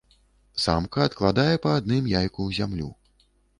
Самка адкладае па адным яйку ў зямлю.